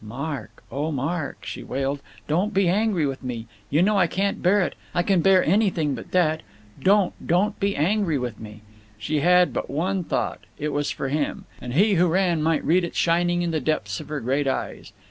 "Mark, oh, Mark," she wailed, "don't be angry with me! You know I can't bear it. I can bear anything but that. Don't, don't be angry with me." She had but one thought; it was for him, and he who ran might read it shining in the depths of her great eyes.